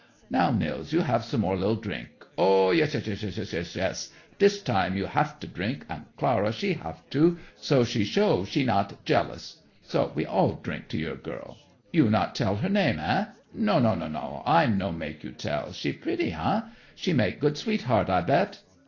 Now, Nils, we have some more li'l drink. Oh, yes yes yes yes yes yes yes! Dis time you haf to drink, and Clara she haf to, so she show she not jealous. So, we all drink to your girl. You not tell her name, eh? No no no, I no make you tell. She pretty, eh? She make good sweetheart? I bet!"